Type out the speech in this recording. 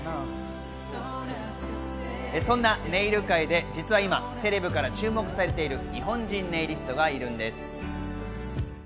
そんなネイル界で実は今、セレブから注目されている日本人ネイリストがいるんです。